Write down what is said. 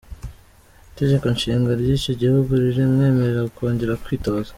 Itegeko Nshinga ry’icyo gihugu ntirimwemerera kongera kwitoza.